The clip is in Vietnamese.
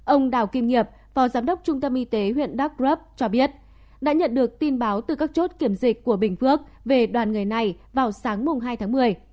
ông đào kim nghiệp phó giám đốc trung tâm y tế huyện đắk rấp cho biết đã nhận được tin báo từ các chốt kiểm dịch của bình phước về đoàn người này vào sáng hai tháng một mươi